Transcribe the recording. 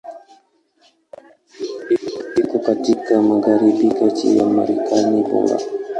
Iko katika magharibi kati ya Marekani bara.